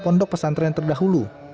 untuk pesantren terdahulu